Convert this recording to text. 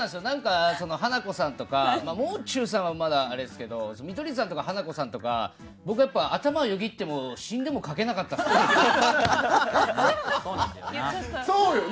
ハナコさんとかもう中さんはあれですけど見取り図さんとかハナコさんとか僕、頭をよぎっても死んでも書けなかったですね。